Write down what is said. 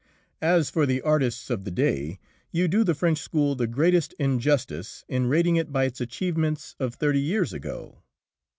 As for the artists of the day, you do the French school the greatest injustice in rating it by its achievements of thirty years ago.